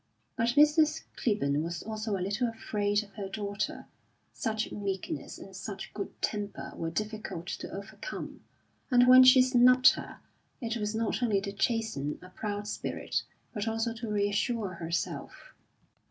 But Mrs. Clibborn was also a little afraid of her daughter; such meekness and such good temper were difficult to overcome; and when she snubbed her, it was not only to chasten a proud spirit, but also to reassure herself.